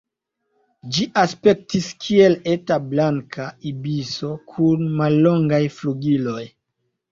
Ĝi aspektis kiel eta Blanka ibiso kun mallongaj flugiloj.